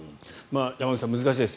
山口さん、難しいです。